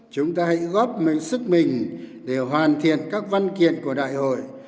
chúng ta hãy góp sức mình để hoàn thiện các văn kiện của đại hội